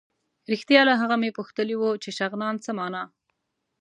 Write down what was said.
رښتیا له هغه مې پوښتلي وو چې شغنان څه مانا.